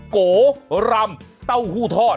โกรำเต้าหู้ทอด